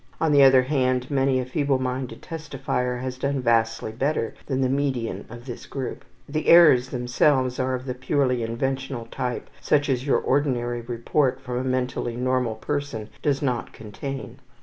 On the other hand, many a feebleminded testifier has done vastly better than the median of this group. The errors themselves are of the purely inventional type, such as your ordinary report from a mentally normal person does not contain.